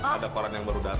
ada koran yang baru datang